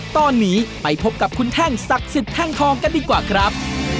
ตอนนี้ไปพบกับคุณแท่งศักดิ์สิทธิแท่งทองกันดีกว่าครับ